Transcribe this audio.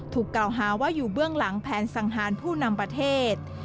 ถูกกล่าวหาว่าอยู่เบื้องหลังแผนสังหารผู้นำประเทศ